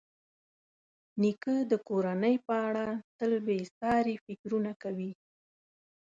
نیکه د کورنۍ په اړه تل بېساري فکرونه کوي.